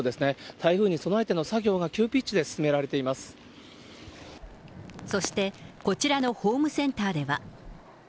台風に備えての作業が、急ピッチそして、こちらのホームセンターでは。